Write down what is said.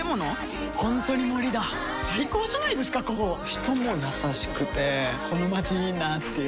人も優しくてこのまちいいなぁっていう